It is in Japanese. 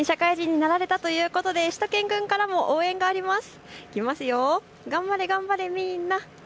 新社会人になられたということでしゅと犬くんからも応援があります。